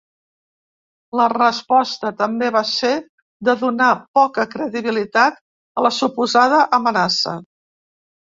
La resposta també va ser de donar poca credibilitat a la suposada amenaça.